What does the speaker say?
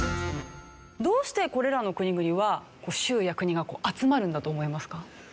どうしてこれらの国々は州や国が集まるんだと思いますか？